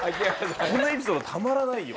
このエピソードたまらないよ。